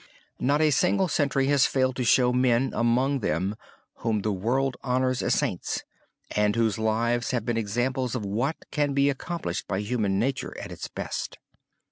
Not a single century has failed to show men among them whom the world honors as Saints, and whose lives have been examples of what can be accomplished by human nature at its best.